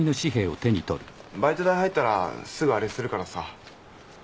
バイト代入ったらすぐあれするからさ。